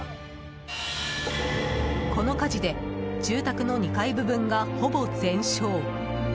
この火事で住宅の２階部分がほぼ全焼。